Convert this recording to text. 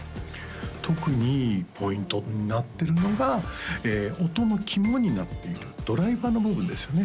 特にポイントになってるのが音の肝になっているドライバーの部分ですよね